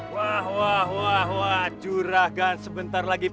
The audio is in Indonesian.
wah wah wah wah juragan sebentar lagi